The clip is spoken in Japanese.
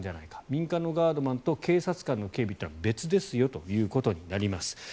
民間のガードマンと警察官の警備は別ですよということになります。